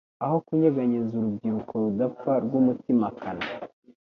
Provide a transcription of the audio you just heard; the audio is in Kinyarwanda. Aho kunyeganyeza urubyiruko rudapfa rwumutimakana